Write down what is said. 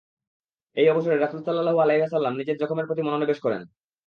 এই অবসরে রাসূল সাল্লাল্লাহু আলাইহি ওয়াসাল্লাম নিজের জখমের প্রতি মনোনিবেশ করেন।